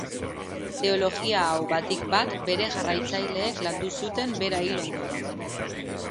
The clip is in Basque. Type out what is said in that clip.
Teologia hau batik-bat bere jarraitzaileek landu zuten bera hil ondoren.